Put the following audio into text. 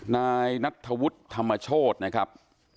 นายณัฐวุธธรรมชโชธนะครับ